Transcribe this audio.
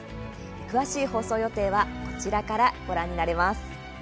詳しい放送予定はこちらからご覧になれます。